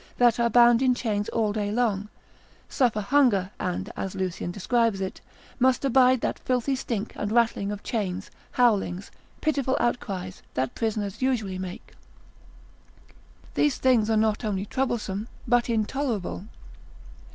that are bound in chains all day long, suffer hunger, and (as Lucian describes it) must abide that filthy stink, and rattling of chains, howlings, pitiful outcries, that prisoners usually make; these things are not only troublesome, but intolerable.